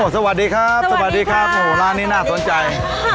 สวัสดีครับร้านนี้น่าสนใจ